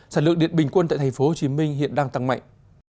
sản lượng điện bình quân tại tp hcm hiện đang tăng mạnh